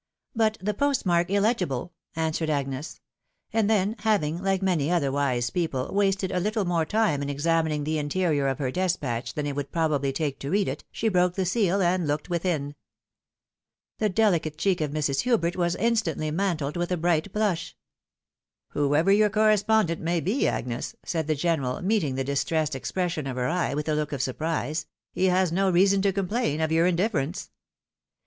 " But the postmark illegible," answered Agnes ; and then having, like many other wise people, wasted a little more time in examining the interior of her despatch than it would probably take to read it, she broke the seal and looked within. The deUcate cheek of Mrs. Hubert was instantly mantled with a bright blush. " Whoever your correspondent may be, Agnes," said the general, meeting the distressed expression of her eye with a look of surprise, "he has no reason to complain of your in difference."